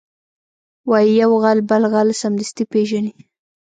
وایي یو غل بل غل سمدستي پېژني